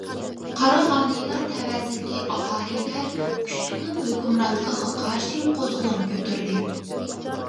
قاراخانىيلار تەۋەسىدىكى ئاھالىلەر كۈچلۈكنىڭ ھۆكۈمرانلىقىغا قارشى قوزغىلاڭ كۆتۈردى.